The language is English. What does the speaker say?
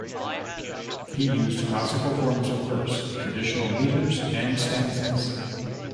He used classical forms of verse, traditional metres and stanzas.